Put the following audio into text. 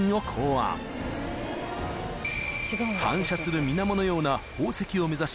［反射する水面のような宝石を目指し］